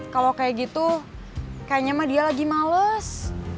kalau kayak gitu kayaknya mah dia lagi males